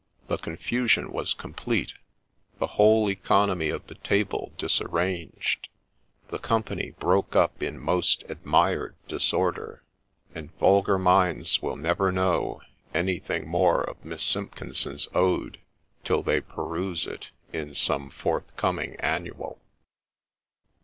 — The confusion was complete ;— the whole economy of the table disarranged ;— the company broke up in most admired disorder ;— and ' vulgar minds will never know ' anything more of Miss Simpkinson' 3 ode till they peruse it in some forthcoming Annual.